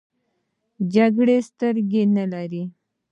جګړې سترګې نه لري .